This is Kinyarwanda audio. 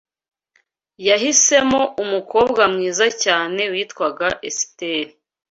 Yahisemo umukobwa mwiza cyane witwaga Esiteri